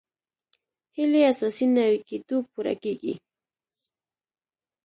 هیلې اساسي نوي کېدو پوره کېږي.